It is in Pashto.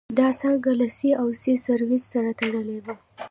دا څانګه له سي او سي سرویسس سره تړلې وه.